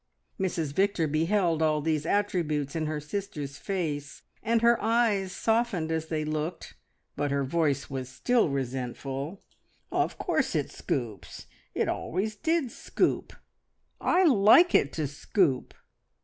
Mrs Victor beheld all these attributes in her sister's face, and her eyes softened as they looked, but her voice was still resentful. "Of course it scoops. It always did scoop. I like it to scoop."